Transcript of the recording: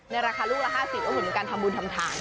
ในราคาลูกละ๕๐บาทคือเหมือนการทำบุญทำทาน